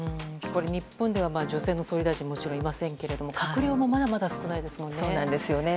日本では女性の総理大臣もちろんいませんけれども閣僚もまだまだ少ないですもんね。